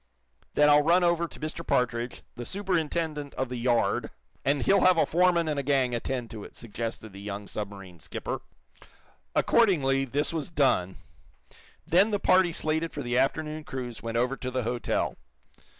"Then I'll run over to Mr. Partridge, the superintendent of the yard, and he'll have a foreman and a gang attend to it," suggested the young submarine skipper. Accordingly, this was done. Then the party slated for the afternoon cruise went over to the hotel.